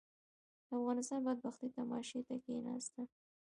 د افغانستان بدبختي تماشې ته کښېناستل.